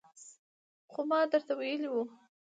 خو ما درته ویلي وو